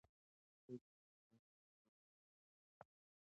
که ښځې ډاکټرانې شي نو ناروغانې نه مري.